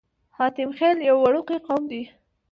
حاتم خيل يو وړوکی قوم دی.